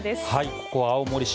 ここは青森市